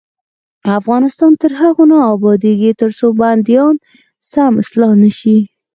افغانستان تر هغو نه ابادیږي، ترڅو بندیان سم اصلاح نشي.